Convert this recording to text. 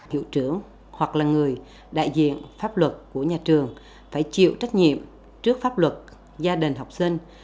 hiệu trưởng hoặc là người đại diện pháp luật của nhà trường phải chịu trách nhiệm trước pháp luật gia đình học sinh